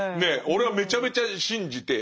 俺はめちゃめちゃ信じて。